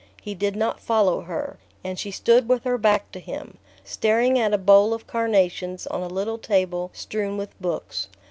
He did not follow her, and she stood with her back to him, staring at a bowl of carnations on a little table strewn with books.